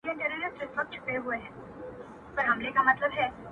له خالي توپکه دوه کسه بېرېږي.